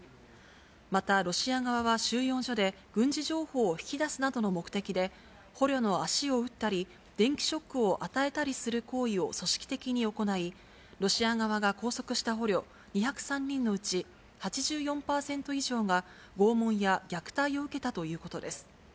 またロシア側は収容所で、軍事情報を引き出すなどの目的で、捕虜の脚を撃ったり、電気ショックを与えたりする行為を組織的に行い、ロシア側が拘束した捕虜２０３人のうち、８４％以上が拷問や虐待を受けたということです。